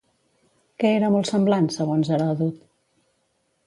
Què era molt semblant, segons Heròdot?